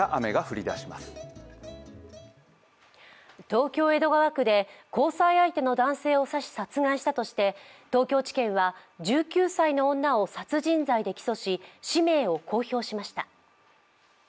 東京・江戸川区で交際相手の男性を刺し殺害したとして東京地検は１９歳の女を殺人罪で起訴し氏名を公表しました。